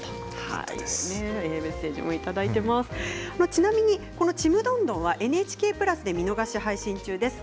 ちなみに「ちむどんどん」はＮＨＫプラスで見逃し配信中です。